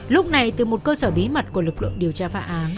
lúc này từ một cơ sở bí mật của lực lượng điều tra phá án